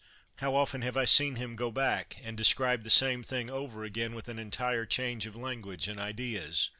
How often have I seen him go back, and describe the same thing over again with an entire change of language and ideas